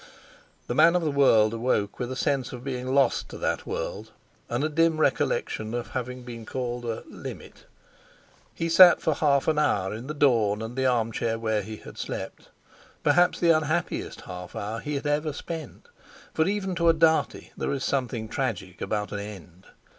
The man of the world awoke with a sense of being lost to that world, and a dim recollection of having been called a "limit." He sat for half an hour in the dawn and the armchair where he had slept—perhaps the unhappiest half hour he had ever spent, for even to a Dartie there is something tragic about an end.